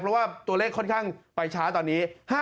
เพราะว่าตัวเลขค่อนข้างไปช้าตอนนี้